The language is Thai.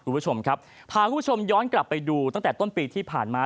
คุณผู้ชมครับพาคุณผู้ชมย้อนกลับไปดูตั้งแต่ต้นปีที่ผ่านมา